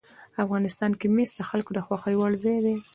افغانستان کې مس د خلکو د خوښې وړ ځای دی.